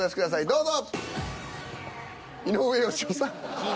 どうぞ。